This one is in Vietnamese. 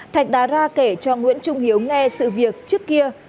thạch đá ra kể cho nguyễn trung hiếu nghe sự việc trước kia